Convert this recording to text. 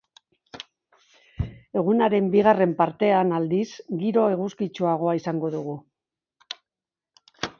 Egunaren bigarren partean, aldiz, giro eguzkitsuagoa izango dugu.